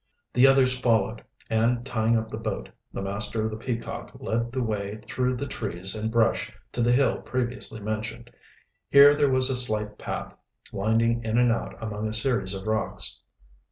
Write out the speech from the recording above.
The others followed, and tying up the boat, the master of the Peacock led the way through the trees and brush to the hill previously mentioned. Here there was a slight path, winding in and out among a series of rocks.